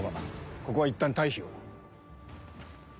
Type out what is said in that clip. ここはいったん退避を。